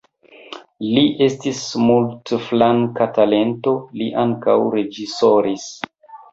Li estis multflanka talento, li ankaŭ reĝisoris.